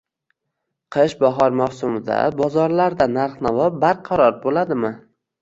Qish-bahor mavsumida bozorlarda narx-navo barqaror bo‘ladimi?